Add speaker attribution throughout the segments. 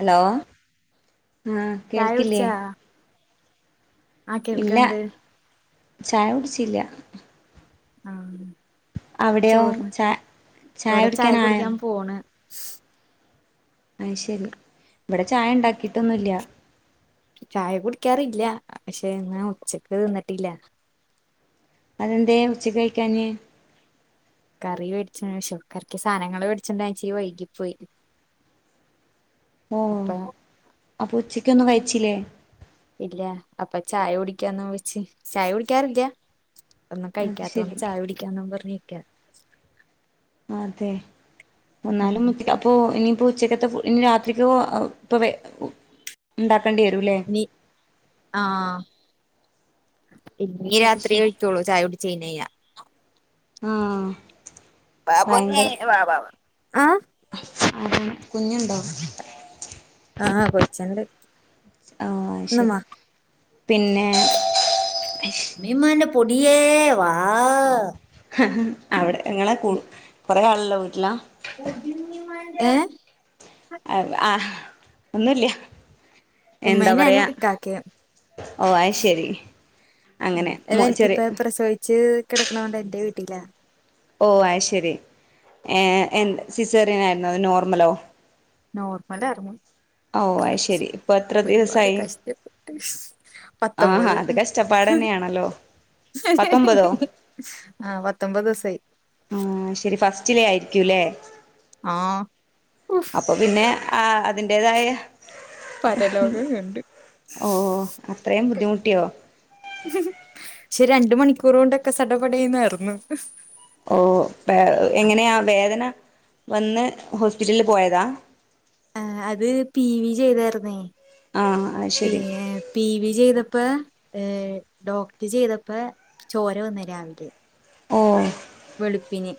Speaker 1: Hello ആ
Speaker 2: ചായ
Speaker 1: കേൾക്കില്ലേ
Speaker 2: കുടിച്ചാ ആ
Speaker 1: ഇല്ല
Speaker 2: കേൾക്കണ്ട്
Speaker 1: ചായ കുടിച്ചില്ലാ
Speaker 2: ആ
Speaker 1: അവിടെയോ
Speaker 2: ചോറ്
Speaker 1: ചാ
Speaker 2: ഇവടെ ചായ കുടിക്കാൻപോണ്
Speaker 1: അയ്യ്ശെരി ഇവടെ ചായയുണ്ടാക്കിട്ടൊന്നില്ലാ
Speaker 2: ചായ കുടിക്കാറില്ലാ പക്ഷെ എന്നാ ഉച്ചക്ക് തിന്നിട്ടില്ലാ
Speaker 1: അതെന്തേ ഉച്ചക്ക് കഴിക്കാഞ്ഞെ
Speaker 2: കറി വേടിച്ച് പക്ഷേ കറിക്ക് സാനങ്ങളവേടിച്ചണ്ടൊരാൻ ഇച്ചിരി വൈകി പോയ്
Speaker 1: ഓ
Speaker 2: അപ്പൊ
Speaker 1: അപ്പൊ ഉച്ചക്കൊന്നും കഴിച്ചില്ലേ
Speaker 2: ഇല്ലാ അപ്പൊ ചായ കുടിക്കാന്നും വെച്ച് ചായ കുടിക്കാറില്ല ഒന്നും
Speaker 1: അത്
Speaker 2: കഴിക്കാത്തോണ്ട്
Speaker 1: ശരി
Speaker 2: ചായകുടിക്കാന്നും പറഞ്ഞിരിക്കാ
Speaker 1: അതെ [unintelligible] ഇപ്പോ ഇനിയിപ്പോ ഉച്ചക്കത്തെ ഫു ഇനി രാത്രിക്കോ ഇപ്പാ ഇണ്ടാക്കേണ്ടി വരൂല്ലേ
Speaker 2: ആഹ് ഇന്നീ
Speaker 1: അത്
Speaker 2: രാത്രി
Speaker 1: ശരി
Speaker 2: കഴിക്കൊള്ളൂ ചായ കുടിച്ചനൈനഞ്ഞാ
Speaker 1: ആഹ്
Speaker 2: [unintelligible]
Speaker 1: ആരാണ് കുഞ്ഞുണ്ടോ
Speaker 2: ആ കൊച്ചുണ്ട്
Speaker 1: ഓഹ്
Speaker 2: ഇന്ന് മ
Speaker 1: അയ്ശെരി പിന്നെ
Speaker 2: ഇമ്മാൻ്റെ പൊടിയേ വാ
Speaker 1: അവടെ നിങ്ങളെ കു കുറെ ആളുള്ള വീട്ടിലാ
Speaker 2: ഏഹ്
Speaker 1: അ ആഹ് ഒന്നൂല്യാ
Speaker 2: ഉമ്മേനെ ഞാനും
Speaker 1: എന്താപറയാ
Speaker 2: ഇക്കാക്കയും
Speaker 1: ഓ അയ്ശെരി അങ്ങനെ മോ ചെറിയ
Speaker 2: ച്ച് കിടക്കണോണ്ട് എന്റെ വീട്ടിലാ
Speaker 1: ഓ അയ്ശെരി ഏഹ് എ സിസേറിയൻ ആയിരുന്നോ അതോ നോർമലോ
Speaker 2: നോർമലാരുന്നു
Speaker 1: ഓ അത് ശരി ഇപ്പൊ എത്ര
Speaker 2: ഒരുപാട്
Speaker 1: ദിവസായി
Speaker 2: കഷ്ടപ്പെട്ട് പത്തൊമ്പത്
Speaker 1: ചപ്പാടന്നെയാണല്ലോ
Speaker 2: ആഹ് പത്തൊമ്പതൂസായി
Speaker 1: ആഹ് ശെരി ഫസ്റ്റിലേ ആയിരിക്കുലേ
Speaker 2: ആഹ് ഉഫ്
Speaker 1: അപ്പൊപിന്നെ ആ അതിന്റേതായ
Speaker 2: പരലോകം കണ്ട്
Speaker 1: ഓഹ് അത്രേയും ബുദ്ധിമുട്ടിയോ
Speaker 2: ശ്ശേ രണ്ടുമണിക്കൂറുകൊണ്ടൊക്കെ സടപടേന്നാര്ന്നു
Speaker 1: ഓ വേ എങ്ങനെയാ വേദന വന്ന് ഹോസ്പിറ്റലില് പോയതാ
Speaker 2: ആഹ് അത് പി വി ചെയ്തായിരുന്നേ
Speaker 1: ആഹ് അത്
Speaker 2: പി
Speaker 1: ശരി
Speaker 2: പി വി ചെയ്തപ്പ ഡോക്ടറ്റ് ചെയ്തപ്പോ ചോരവന്ന് രാവിലെ
Speaker 1: ഓഹ്
Speaker 2: വെളുപ്പിന്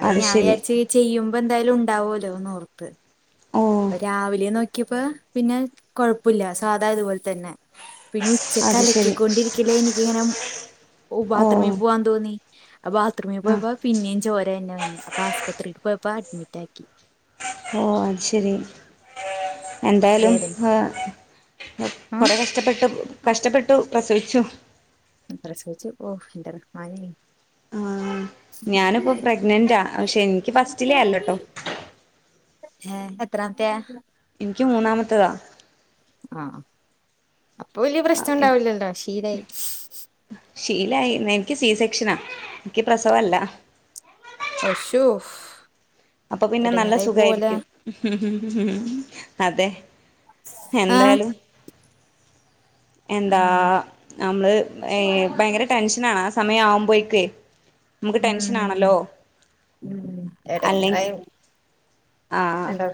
Speaker 2: അപ്പൊ ഞാൻ വിചാരിച്ച ചെയ്യുമ്പോ എന്തായ്ലും ഉണ്ടാവൊല്ലോന്നോർത്ത്
Speaker 1: ഓ
Speaker 2: രാവിലെ നോക്കിയപ്പോ പിന്നെ കൊഴപ്പില്ല സാദാ ഇതുപോൽതന്നെ പിന്നെ
Speaker 1: അത് ശരി
Speaker 2: ഉച്ചക്കലക്കിക്കൊണ്ടിരിക്കില്ലേ എനിക്കിങ്ങനെ ഓ ബാത്റൂമിൽ പോവാൻ തോന്നി ബാത്റൂമിൽ
Speaker 1: ആഹ്
Speaker 2: പോയപ്പോ പിന്നേം ചോരതന്നെ വന്നെ അപ്പ ആസ്പത്രിൽക്കോയപ്പോ അഡ്മിറ്റാക്കി
Speaker 1: ഓ അഹ് ശരി എന്തായാലും
Speaker 2: വേദന ആ
Speaker 1: കൊറെ കഷ്ടപ്പെട്ടു കഷ്ടപ്പെട്ടു പ്രസവിച്ചു
Speaker 2: പ്രസവിച്ചു ഓ എന്റെ റെഹ്മാനെ
Speaker 1: ആഹ് ഞാനിപ്പോ പ്രഗ്നന്റ് പക്ഷെ എനിക്ക് ഫസ്റ്റിലെ അല്ലട്ടൊ
Speaker 2: ഏഹ് എത്രാമത്തെ
Speaker 1: ഇൻക്ക് മൂന്നാമത്തതാ
Speaker 2: ആഹ് അ അപ്പൊ വല്യ പ്രശ്നണ്ടാവുലല്ലോ ശീലായി
Speaker 1: ശീലായി എനിക്ക് സി സെക്ഷനാ എനിക്ക് പ്രസവല്ല
Speaker 2: അശുഫ്
Speaker 1: അപ്പൊ പിന്നെ നല്ല സുഖായിരിക്കും അതെ
Speaker 2: ആഹ്
Speaker 1: എന്തായാലും എന്താ
Speaker 2: ആഹ്
Speaker 1: നമ്മള് ഏ ഭയങ്കര ടെൻഷനാണ് ആ സമയം ആവുമ്പമ്പൊഴക്ക് നമുക്ക് ടെൻഷനാണല്ലോ
Speaker 2: ഉം ഉം
Speaker 1: അല്ലെങ്കിൽ
Speaker 2: എടങ്ങേറായ്
Speaker 1: ആ
Speaker 2: നല്ലോ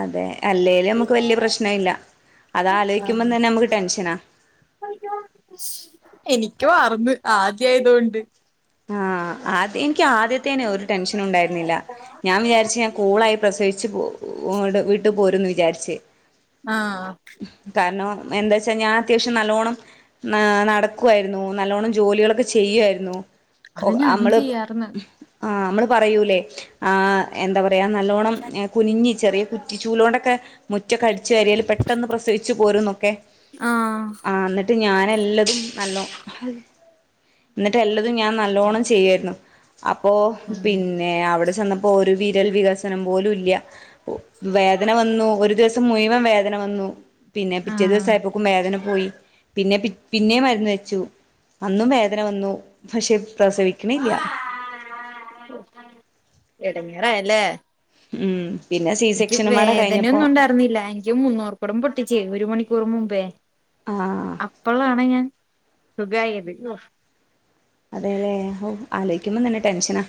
Speaker 1: അതെ അല്ലേല് നമുക്ക് വല്യ പ്രശ്നല്ല അത ആലോയിക്കുമ്പോതന്നെ നമുക്ക് ടെൻഷനാ
Speaker 2: എനിക്ക് മറന്ന് ആദ്യയതോണ്ട്
Speaker 1: ആഹ് ആദ്യ എനിക്ക് ആദ്യത്തേനെ ഒരു ടെൻഷനുണ്ടായിരുന്നില്ല ഞാൻ വിചാരിച്ച് ഞാൻ കൂളായി പ്രസവിച്ച് വീട്ട്പോരുന്ന് വിചാരിച്ച്
Speaker 2: ആഹ്
Speaker 1: കാരണം എന്താച്ചാ ഞാൻ അത്യാവശ്യം നല്ലോണം നടക്കുവായിരുന്നു നല്ലോണം ജോലികളൊക്കെ ചെയ്യുവായിരുന്നു ഒ
Speaker 2: അത് ഞാനും
Speaker 1: നമ്മള്
Speaker 2: ചെയ്യാറ്ന്ന്
Speaker 1: ആ് അമ്മള്പറയൂലേ ആ എന്താപറയാ നല്ലോണം കുനിഞ്ഞി ചെറിയ കുറ്റിചൂലോണ്ടൊക്കെ മുറ്റക്കെ അടിച്ചുവാരിയാല് പെട്ടെന്ന് പ്രസവിച്ചു പോരന്നൊക്കെ
Speaker 2: ആഹ്
Speaker 1: ആഹ് ന്നട്ട് ഞാനെല്ലതും നല്ലോ എന്നട്ട് എല്ല തും ഞാൻ നല്ലോണം ചെയ്യാര്ന്നു അപ്പോ
Speaker 2: ഉം
Speaker 1: പിന്നെ അവിടെ ചെന്നപ്പം പ്പോര് വിരൽവികസനം പോലുഇല്ല വേദനവന്നു ഒരു ദിവസം മുഴുവൻവേദനവന്നു പിന്നെ
Speaker 2: ആഹ്
Speaker 1: പിറ്റേദിവസായപ്പോക്കും വേദനപോയി പിന്നെ പി പിന്നെ മരുന്ന് വെച്ചു അന്നും വേദന വന്നു പക്ഷെ പ്രസവിക്കണില്ല
Speaker 2: എടങ്ങേറായല്ലേ
Speaker 1: ഉം പിന്നെ സി
Speaker 2: ക്ക്
Speaker 1: സെക്ഷനുംപാടെ കഴിഞ്ഞപ്പോ
Speaker 2: വേദനയൊന്നും ഉണ്ടാർന്നില്ല എനിക്ക് മൂന്നൂറ് കൊടം പൊട്ടിച്ചേ ഒരു മണിക്കൂർ മുമ്പേ.
Speaker 1: ആഹ്
Speaker 2: അപ്പളാണ് ഞാൻ സുഖായത്.
Speaker 1: അതെലേ ആലോയിക്കുമ്പോ തന്നെ ടെൻഷനാ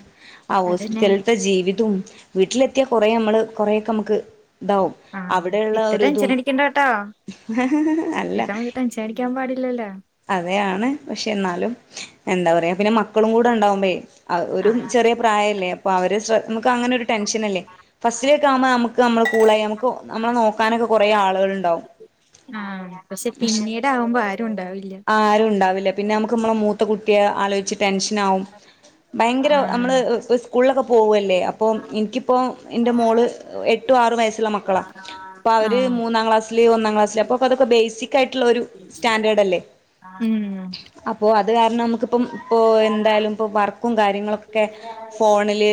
Speaker 1: ആ
Speaker 2: അതന്നെ
Speaker 1: ഹോസ്പിറ്റൽത്തെ ജീവിതം വീട്ടിലെത്തിയാ കുറെേ നമ്മള് കുറെേയൊക്കെ മ്മക്ക് ഇതാവും.
Speaker 2: ആഹ്
Speaker 1: അവടെയുള്ള
Speaker 2: ഇത്ര
Speaker 1: ഒരു തും
Speaker 2: ടെൻഷൻ അടിക്കണ്ടാട്ടോ
Speaker 1: അല്ല
Speaker 2: പേടിക്കാൻ പാടില്ലല്ലേ.
Speaker 1: അതെ യാണ് പക്ഷെ എന്നാലും എന്താ പറയാ പിന്നെ മക്കളും കൂടെ ഉണ്ടാവുമ്പേ ഒരു ചെറിയ പ്രായല്ലേ, അപ്പൊ അവര് ശ്ര മ്മക്ക് അങ്ങനെ ഒരു ടെൻഷനല്ലേ. ഫസ്റ്റിലോക്കെ ആവുമ്പോ ഞമ്മക്ക് അമ്മളെ കൂളെയ നമുക്ക് നമ്മളെ നോക്കാനൊക്കെ കൊറേ ആളുകള്ണ്ടാവും.
Speaker 2: ആഹ് പക്ഷെ പിന്നീടാവുമ്പോ ആരുണ്ടാവില്ല.
Speaker 1: ആരുണ്ടാവില്ല പിന്നെ അമ്മക്ക് മ്മെളെ മൂത്ത കുട്ടിയെ ആലോയിച്ചി ടെൻഷനാവും ഭയങ്കര അമ്മള്
Speaker 2: ആഹ്
Speaker 1: ഓ ഒ സ്കൂളിലൊക്കെ പോവല്ലേ അ പ്പോ ഇൻക്കിപ്പോ എന്റെ മോള് എട്ടു ആറു വയസ്സുള്ള മക്കളാ. പ്പ അവര്
Speaker 2: ആഹ്
Speaker 1: മൂന്നാം ക്ലാസില് ഒന്നാം ക്ലാസ്സില് അപ്പോ പ്പതൊക്കെ ബേസിക്കായിട്ടുള്ളൊരു സ്റ്റാൻഡേർഡ് അല്ലേ.
Speaker 2: ഉം
Speaker 1: അപ്പോ അത് കാരണം മ്മക്ക് ഇപ്പം ഓ എന്തയാലും പ്പോ വർക്കും കാര്യങ്ങളൊക്കെ
Speaker 2: ഉം
Speaker 1: ഫോണില്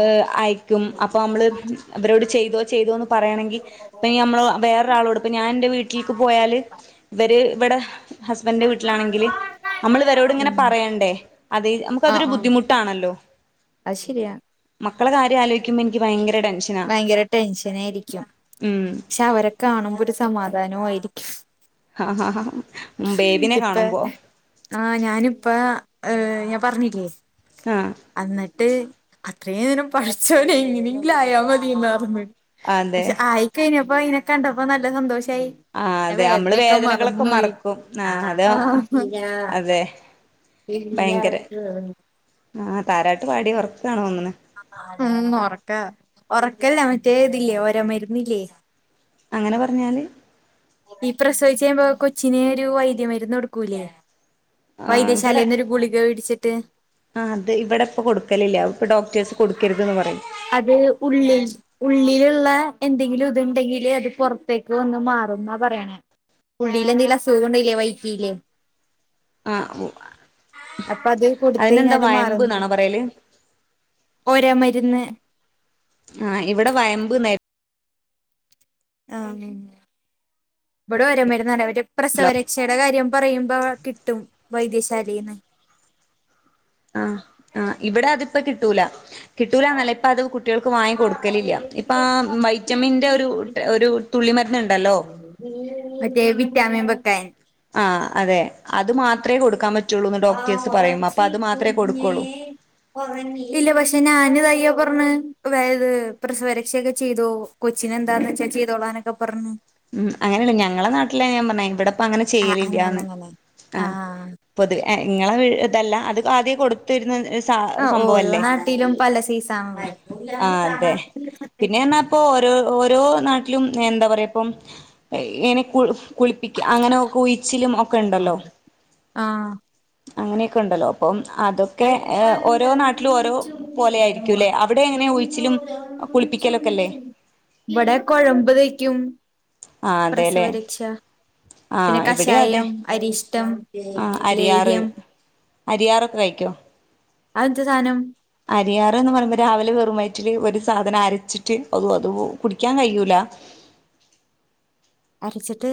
Speaker 1: ഏഹ് ആയി ക്കും അപ്പൊ അമ്മള് ഇവരോട് ചെയ്തോ ചെയ്തോന്ന് പറയണെങ്കി ഇപ്പയീ നമ്മള് വേറൊരാളോട് ഇപ്പ ഞാൻൻ്റെ വീ വീട്ടിൽക് പോയാല്, ഇവര് ഇവടെ ഹസ്ബൻ്റ്ന്റെ വീട്ടിലാണെങ്കില് അമ്മള് വരോട്ങ്ങെനെ പറയണ്ടേ, അത് അമ്മക്ക് അതൊരു ബുദ്ധിമുട്ടാണല്ലോ.
Speaker 2: അയ് ശരിയാ.
Speaker 1: മക്കള കാര്യാലോയിക്കുമ്പോ ഇൻക്ക് ഭയങ്കര ടെൻഷൻ
Speaker 2: ഭയങ്കര ടെൻഷനായിരിക്കും,
Speaker 1: ഉം
Speaker 2: പക്ഷെ അവരെ കാണുമ്പൊരു സമാധാനോ ആയിരിക്കും.
Speaker 1: ബേബിനെ
Speaker 2: ഇപ്പ
Speaker 1: കാണുമ്പോ.
Speaker 2: ആഹ്, ഞാന്പ്പൊ ഏഹ് ഞാ പറഞ്ഞില്ലേ.
Speaker 1: ആഹ്
Speaker 2: അന്ന്ട്ട് അത്രയും നേരം പടച്ചോനെ ഇനിയെങ്കിലും ആയാ മതിന്നറഞ്ഞ്
Speaker 1: അതെ
Speaker 2: പക്ഷെ ആയിക്കഴിഞ്ഞപ്പോ അയിനെ കണ്ടപ്പോ നല്ല സന്തോഷായി.
Speaker 1: ആഹ്
Speaker 2: ന്നെ
Speaker 1: അതെ നമ്മള്
Speaker 2: വേദനെക്കെ
Speaker 1: വേദനകളൊക്കെ
Speaker 2: മറന്നോയി
Speaker 1: മറക്കും അത
Speaker 2: ആഹ് [unintelligible]
Speaker 1: അതെ
Speaker 2: ഇല്ല
Speaker 1: ഭയങ്കര
Speaker 2: [unintelligible]
Speaker 1: ആഹ്, താരാട്ട് പാടി ഒറക്കാണ് തോന്ന്ണ്.
Speaker 2: ഉം, ഒറക്കാ ഒറക്കല്ല മറ്റേ ഇതില്ലേ ഓരേ മരുന്നില്ലേ.
Speaker 1: അങ്ങനെ പറഞ്ഞാല്?
Speaker 2: ഈ പ്രസവിച്ച് കഴിയുമ്പോ കൊച്ചിന് ഒരു വൈദ്യ മരുന്ന് കൊടുക്കൂലേ.
Speaker 1: ആഹ് ഇവിടെ
Speaker 2: വൈദ്യശാലീന്നൊരു ഗുളിക വേടിച്ചിട്ട്.
Speaker 1: ആഹ് അത് ഇവടെപ്പൊ കൊടുക്കലില്ല, ഇപ്പൊ ഡോക്ടേഴ്സ് കൊടുക്കരുതെന്ന് പറയും.
Speaker 2: അത് ഉള്ളീ ഉള്ളിലുള്ള എന്തെങ്കിലും ഇതുണ്ടെങ്കില് അത് പൊറത്തേക്ക് വന്ന് മാറുന്നാ പറയണേ. ഉള്ളില് എന്തെലും അസുഖോണ്ടെങ്കില് വയ്റ്റിലേയ്
Speaker 1: ആഹ്
Speaker 2: അപ്പൊ അത്
Speaker 1: അതിനെന്താ
Speaker 2: കൊടുത്തഴിഞ്ഞാല്
Speaker 1: വയമ്പ്
Speaker 2: മാറുന്നു
Speaker 1: ന്നാണോ പറയല്
Speaker 2: ഒര മരുന്ന്.
Speaker 1: ആഹ് ഇവടെ വയമ്പ് ന്നേ
Speaker 2: ആഹ്, ഇവടെ ഒര മരുന്നറ ഒരു
Speaker 1: ന്നാ
Speaker 2: പ്രസവരക്ഷ ടെ കാര്യം പറയുമ്പോ കിട്ടും വൈദ്യശാലീന്ന്.
Speaker 1: ആഹ് ആഹ് ഇവടെ അത്പ്പ കിട്ടൂല. കിട്ടൂലന്നല്ല ഇപ്പ അത് കുട്ടികൾക്ക് വാങ്ങി കൊടുക്കലില്ല ഇപ്പാ വൈറ്റമിൻ്റെ ഒരു ഒരു തുള്ളിമരുന്ന്ണ്ടല്ലോ
Speaker 2: മറ്റേ വിറ്റാമിൻ [unintelligible]
Speaker 1: ആഹ് അതെ അത് മാത്രേ കൊടുക്കാ പറ്റുള്ളൂന്ന് ഡോക്ടേഴ്സ് പറയും അപ്പൊ അത് മാത്രേ കൊടുക്കുള്ളൂ
Speaker 2: ഇല്ല പക്ഷെ ഞാന് ഇതയ്യ പറഞ്ഞ് വേ പ്രസവരക്ഷയൊക്കെ ചീതൂ കൊച്ചിനെന്താന്ന് വെച്ചാ ചീതോളാനൊക്കെ പറഞ്ഞ്
Speaker 1: ഉം അങ്ങനെല്ല ഞങ്ങളെ നാട്ടിലാ ഞാ പറഞ്ഞേ ഇവിടപ്പ അങ്ങനെ
Speaker 2: ആ അങ്ങനെ
Speaker 1: ചെയ്യലില്ലാന്ന്
Speaker 2: അങ്ങനെ
Speaker 1: ആഹ് പ്പത് ഏഹ് ഇങ്ങളെ വീ ഇതല്ല അത് ആദ്യേ കൊടു ത്തിരുന്ന ഒരു സാ
Speaker 2: ആ ഓരോ
Speaker 1: സംഭവല്ലേ
Speaker 2: നാട്ടിലും പല സൈസാണല്ലോ
Speaker 1: ആഹ് അതെ പിന്നെ അറഞ്ഞാ പ്പൊരോ ഓരോ നാട്ടിലും എന്താ പറയാ ഇപ്പം ഏഹ് എനി കുൾ കുൾപ്പിക്ക അങ്ങനൊക്കുഴിച്ചിലും ഒക്കെണ്ടല്ലോ
Speaker 2: ആ
Speaker 1: അങ്ങനെയൊക്കെണ്ടല്ലോ അപ്പം അതൊക്കെ ഏഹ് ഓരോ
Speaker 2: കൽക്കണ്ടം
Speaker 1: നാട്ടിലും ഓരോ
Speaker 2: ചുണ്ടിൽ
Speaker 1: പോലെ
Speaker 2: എന്റെ മോള്
Speaker 1: ആയിരിക്കുംല്ലേ അവടെ എങ്ങനെ ഉഴിച്ചിലും
Speaker 2: സിന്ദൂരം
Speaker 1: ഒ കുളിപ്പിക്കലൊക്കെല്ലേ
Speaker 2: ചുണ്ടിൽ ഇവിടെ കുഴമ്പ് തേക്കും
Speaker 1: ആഹ്
Speaker 2: പ്രസവ
Speaker 1: അതെല്ലേ
Speaker 2: രക്ഷ പിന്നെ
Speaker 1: ആഹ് ഇവിടെയും അതെ
Speaker 2: കഷായം അരിഷ്ടം
Speaker 1: ആഹ് അരിയാറ്
Speaker 2: ലേഹ്യം
Speaker 1: അരിയാറൊക്കെ കഴിക്കോ
Speaker 2: അഹ് എന്ത് സാധനം
Speaker 1: അരിയാറ് എന്ന് പറയുമ്പോ രാവിലെ വെറും വയറ്റില് ഒരു സാധനം അരച്ചിട്ട് ഔ അത് കുടിക്കാൻ കഴിയൂല
Speaker 2: അരച്ചിട്ട്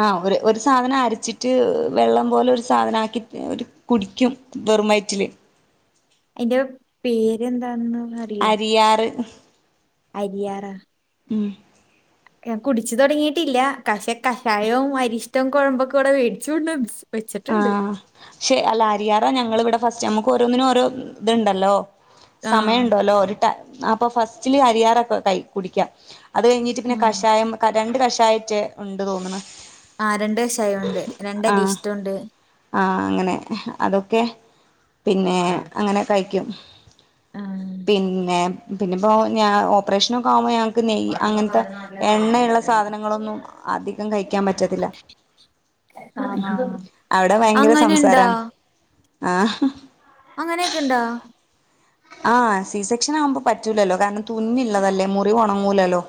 Speaker 1: ആഹ് ഒരു ഒരു സാധനം അരച്ചിട്ട് വെള്ളം പോലെ ഒരു സാധനം ആക്കിട്ട് ഒരു കുടിക്കും വെറും വയറ്റില്
Speaker 2: അതിന്റെ പേരെന്താന്ന്
Speaker 1: അരിയാറ്
Speaker 2: അരിയാറ്
Speaker 1: ഉം
Speaker 2: ഞാൻ കുടിച്ചു തുടങ്ങിയിട്ടില്ല. പക്ഷെ കഷായവും അരിഷ്ടവും കുഴമ്പൊക്കെ ഇവിടെ മേടിച്ചു കൊണ്ട് വന്നി
Speaker 1: ആഹ് അല്ലാരിയാറാ ഞങ്ങൾ ഇവിടെ ഫസ്റ്റ് നമ്മുക്ക് ഓരോന്നിനും ഓരോ ഇത്ണ്ടല്ലോ
Speaker 2: ആഹ്
Speaker 1: സമയം ഉണ്ടല്ലോ ഒരു ടൈ അപ്പൊ ഫസ്റ്റില് അരിയാറൊക്കെ കുടിക്കാ അത് കഴിഞ്ഞിട്ട് പിന്നെ
Speaker 2: ആഹ്
Speaker 1: കഷായം രണ്ട് കഷായട്ട് ഉണ്ട് തോന്നുന്ന്
Speaker 2: ആഹ് രണ്ട് കക്ഷായം ഉണ്ട് രണ്ടരിഷ്ടം ഉണ്ട്
Speaker 1: ആഹ് അങ്ങനെ അതൊക്കെ പിന്നെ അങ്ങനെ കഴിക്കും
Speaker 2: ആ
Speaker 1: പിന്നെ പിന്നെപ്പോ ഞൻ ഓപ്പറേഷനൊക്കെ ആവുമ്പോൾ ഞാ ക്ക് നെയ്യ്
Speaker 2: കുഴമ്പൊക്കെ
Speaker 1: അങ്ങനത്തെ
Speaker 2: അവരുടെ നാട്ടിലെ
Speaker 1: എണ്ണയുള്ള
Speaker 2: ചെറുപ്പത്തിലായിട്ടുണ്ട്
Speaker 1: സാധനങ്ങളൊന്നും അധികം കഴിക്കാൻ പറ്റത്തില്ല
Speaker 2: ആഹ്
Speaker 1: അവിടെ ഭയങ്കര
Speaker 2: അങ്ങനെ ഇണ്ടാ
Speaker 1: സംസാരം ആഹ്
Speaker 2: അങ്ങനെയൊക്കെ ഉണ്ടോ
Speaker 1: ആഹ് സി സെക്ഷൻ ആവുമ്പോ പറ്റൂലല്ലോ കാരണം തുന്നള്ളതല്ലേ മുറി ഉണങ്ങൂലല്ലോ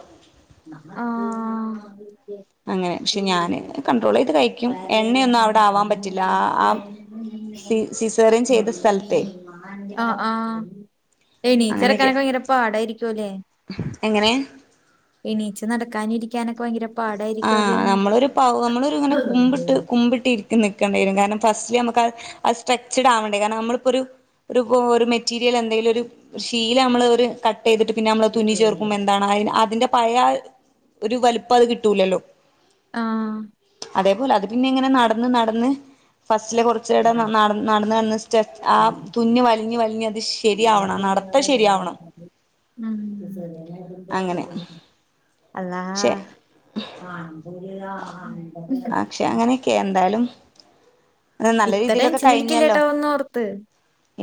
Speaker 2: ആഹ്
Speaker 1: അങ്ങനെ പക്ഷെ ഞാൻ കണ്ടട്രോൾ ചെയ്ത് കഴി
Speaker 2: പറയണ കുഞ്ഞി പെണ്ണേ
Speaker 1: സെറിയം ചെയ്ത സ്ഥലത്ത്
Speaker 2: ആഹ് ആഹ് ഏനിച്ച്
Speaker 1: അങ്ങനെയൊക്കെ
Speaker 2: നടക്കനൊക്കെ ഭയങ്കര പാടായിരിക്കു അല്ലേ
Speaker 1: എങ്ങനെ
Speaker 2: എണീച്ച് നടക്കാനു ഇരിക്കാനൊക്കെ ഭയങ്കര
Speaker 1: ആഹ്
Speaker 2: പാടായിരിക്കുംല്ലേന്ന്
Speaker 1: നമ്മളൊരു പ നമ്മളൊരു ഇങ്ങനെ കുമ്പിട്ട് കുമ്പിട്ടിരിക്ക നിക്കേണ്ടി വരും കാരണം ഫസ്റ്റ് നമുക്ക്ത് സ്ട്രക്ചഡ് ആവേണ്ടേ കാരണം നമ്മളിപ്പോ ഒരു ഒരു ഒരു മെറ്റീരിയൽ എന്തെങ്കിലും ഒരു ഷീല നമ്മൾ ഒരു ക ചെയ്തിട്ട് പിന്നെ നമ്മള് തുന്നി ചേർക്കും എന്താണ് അഹ് അതിന്റെ പഴയ ഒരു വലിപ്പം അത് കിട്ടൂലല്ലോ
Speaker 2: ആഹ്
Speaker 1: അതേപോലെ അത് പിന്നെ ഇങ്ങനെ നടന്നന്ന് നടന്ന് ഫസ്റ്റിലെ കുറച്ച് ച്ചട നട നടന്നന്ന് സ് ആ
Speaker 2: ഉം
Speaker 1: തുഞ്ഞ് വലിഞ്ഞ് വലിഞ്ഞ് അത് ശരിയാവണം നടത്തം ശരിയാവണം അങ്ങനെ
Speaker 2: അള്ളാ
Speaker 1: പക്ഷെ
Speaker 2: [unintelligible]
Speaker 1: പക്ഷെ അങ്ങനെയൊക്കെ എന്തായാലും നല്ല
Speaker 2: ഇത്ര
Speaker 1: രീതിയിലൊക്കെ
Speaker 2: ടെൻഷൻ
Speaker 1: കഴിഞ്ഞല്ലോ.
Speaker 2: അടിക്കില്ലേട്ടാ ഒന്നോർത്ത്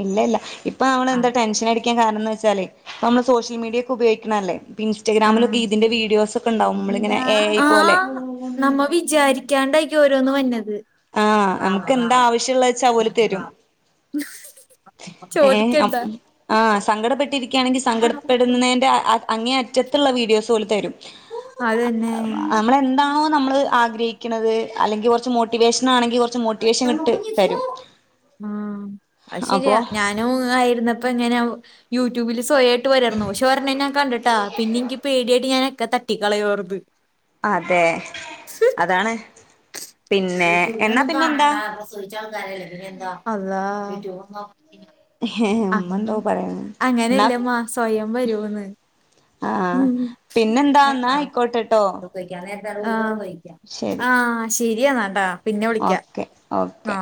Speaker 1: ഇല്ല ഇല്ല ഇപ്പൊ അവള്
Speaker 2: ആ
Speaker 1: എന്താ ടെൻഷൻ അടിക്കാൻ കാരണംന്ന് വെച്ചാലേ നമ്മള് സോഷ്യൽ മീഡിയ ഒക്കെ ഉപയോഗിക്കണതല്ലേ?.
Speaker 2: ആ
Speaker 1: ഇൻസ്റ്റഗ്രാമിലൊക്കെ ഇതിൻ്റെ വിഡിയോസ് ഒക്കെ ഉണ്ടാവും നമ്മളിങ്ങനെ എ ഐ
Speaker 2: ആ
Speaker 1: പോലെ.
Speaker 2: നമ്മ വിചാരിക്കാണ്ടായിരിക്കു ഓരോന്ന് വരുന്നത്.
Speaker 1: ആ നമുക്ക് എന്താ ആവശ്യമുള്ളച്ചാ ഓല് തരും.
Speaker 2: [unintelligible]
Speaker 1: ഏ
Speaker 2: ചോദിക്കണ്ട
Speaker 1: ആ സങ്കടപ്പെെട്ടിരിക്കുകയ ണെങ്കിൽ സങ്കടപ്പെടുന്നതിൻ്റെ അങ്ങേ അറ്റത്തുള്ള വീഡിയോസ് പോലു തരും
Speaker 2: അതന്നെ
Speaker 1: നമ്മളെന്താണോ നമ്മൾ ആഗ്രഹിക്കണത്. അല്ലെങ്കിൽ കുറച്ച് മോട്ടിവേഷൻ ആണെങ്കിൽ കുറച്ച് മോട്ടിവേഷൻ ഇങ്ങട്ട് തരു.
Speaker 2: ആ അത് ശരിയാ ഞാനും ആയിരുന്നപ്പ ഇങ്ങനെ യൂട്യൂബില് സ്വയ ഇട്ട് വരുവാരുന്നു പക്ഷെ ഒരെണ്ണം ഞാൻ കണ്ടിട്ടാ പിന്നെ എനിക്ക് പേടിയായിട്ട് ഞാനൊക്കെ തട്ടി കളയു വരുന്നു
Speaker 1: അതെ അതാണ് പിന്നെ എന്നാ പിന്നെ എന്താ
Speaker 2: അള്ളാ
Speaker 1: ഉമ്മന്തോ പറയ വന്ന് എന്നാ
Speaker 2: അങ്ങനെയല്ലമ്മാ സ്വയം വരൂന്ന്
Speaker 1: ആഹ് അഹ് പിന്നെന്താ എന്നാ ആയിക്കോട്ടെട്ടോ
Speaker 2: ആഹ് ആ
Speaker 1: ശരി
Speaker 2: ശെരിയാെന്നാട്ടാ പിന്നെ വിളിക്കാ
Speaker 1: ഓക്കെ
Speaker 2: ആ
Speaker 1: ഓക്കെ